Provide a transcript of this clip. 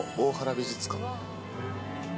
美術館？